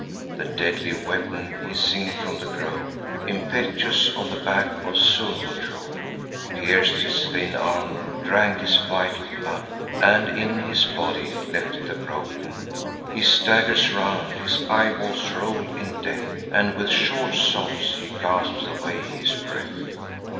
The deadly weapon, hissing from the grove, Impetuous on the back of Sulmo drove; Pierc'd his thin armour, drank his vital blood, And in his body left the broken wood. He staggers round; his eyeballs roll in death, And with short sobs he gasps away his breath.